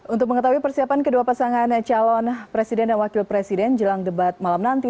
untuk mengetahui persiapan kedua pasangan calon presiden dan wakil presiden jelang debat malam nanti